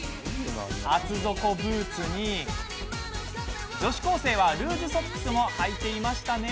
厚底ブーツに女子高生はルーズソックスもはいてましたね。